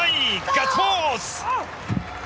ガッツポーズ！